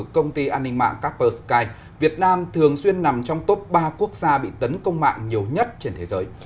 công ty an ninh mạng capersky việt nam thường xuyên nằm trong top ba quốc gia bị tấn công mạng nhiều nhất trên thế giới